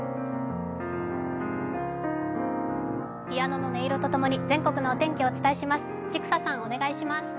ピアノの音色とともに全国のお天気をお伝えします。